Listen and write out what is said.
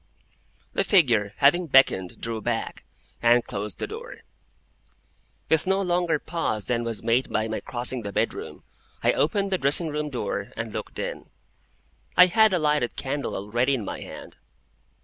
The figure, having beckoned, drew back, and closed the door. With no longer pause than was made by my crossing the bedroom, I opened the dressing room door, and looked in. I had a lighted candle already in my hand.